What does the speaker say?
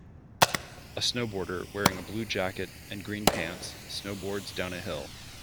A snowboarder, wearing a blue jacket and green pants, snowboards down a hill.